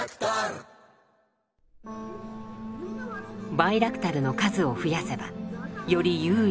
バイラクタルの数を増やせばより優位に立てるはず。